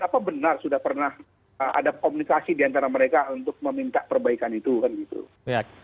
apa benar sudah pernah ada komunikasi diantara mereka untuk meminta perbaikan itu kan gitu